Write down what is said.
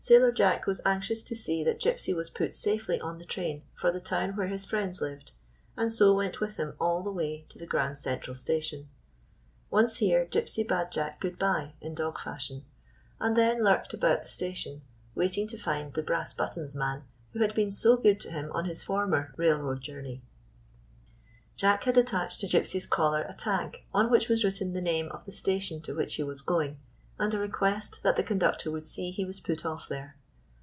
Sailor Jack was anxious to see that Gypsy was put safely on the train for the town where his friends lived, and so went with him all the way to the Grand Central station. Once here, Gypsy bade Jack good bye in dog fashion, and then lurked about the station, waiting to find the " brass buttons man " who had been so good to him on his former railroad journey. Jack had attached to Gypsy's collar a tag on which was written the name of the station to which he was going, and a request that the conductor would see he was put off there.